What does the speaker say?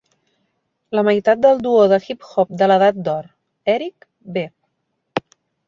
La meitat del duo de hip-hop de l'edat d'or, Eric B.